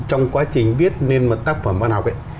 trong quá trình viết lên một tác phẩm văn học ấy